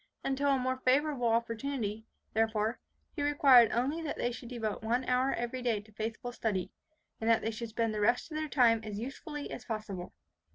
Until a more favourable opportunity, therefore, he required only that they should devote one hour every day to faithful study, and that they should spend the rest of their time as usefully as possible.